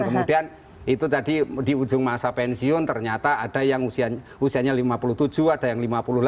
kemudian itu tadi di ujung masa pensiun ternyata ada yang usianya lima puluh tujuh ada yang lima puluh delapan